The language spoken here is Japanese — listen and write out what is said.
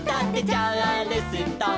「チャールストン」